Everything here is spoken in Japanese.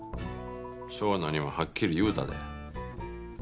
正野にははっきり言うたで。